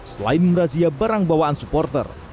selain merazia barang bawaan supporter